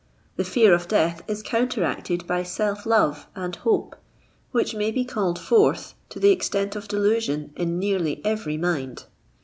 The fear of death is counteracted by self love and hope, whic^ maybe called forth to the extent of delusion in nearly every mind.